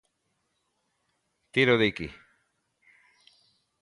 Tírao de aquí.